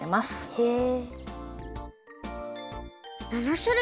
へえ。